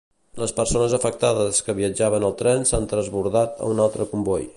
Les persones afectades que viatjaven al tren s'han transbordat a un altre comboi.